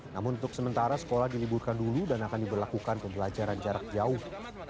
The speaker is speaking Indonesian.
namun untuk sementara sekolah diliburkan dulu dan akan diberlakukan pembelajaran jarak jauh